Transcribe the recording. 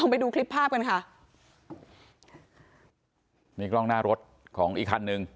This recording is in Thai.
ไปดูคลิปภาพกันค่ะมีกล้องหน้ารถของอีกคันหนึ่ง